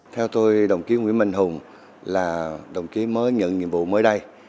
theo tôi đồng chí nguyễn mạnh hùng là đồng chí mới nhận nhiệm vụ mới đây